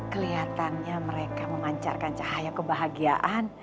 kelihatannya mereka memancarkan cahaya kebahagiaan